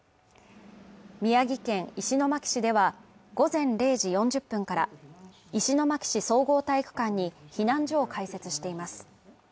宮城県石巻市では、午前０時４０分から石巻市総合体育館に避難所を開設しています。